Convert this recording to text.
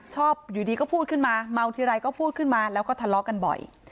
ชอบอยู่ดีก็พูดขึ้นมาเมาทีไรก็พูดขึ้นมาแล้วก็ทะเลาะกันบ่อย